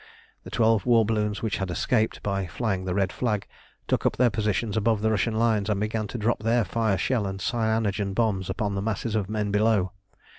The twelve war balloons which had escaped by flying the red flag took up their positions above the Russian lines, and began to drop their fire shell and cyanogen bombs upon the masses of men below.